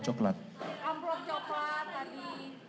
amplok coklat tadi